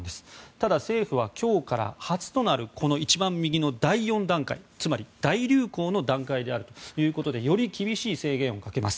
ただ、政府は今日から初となる第４段階つまり大流行の段階であるということでより厳しい制限をかけます。